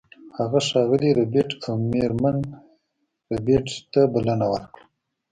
هغه ښاغلي ربیټ او میرمن ربیټ ته بلنه ورکړه